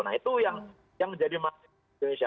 nah itu yang menjadi masalah di indonesia